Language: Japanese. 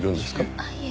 あっいえ。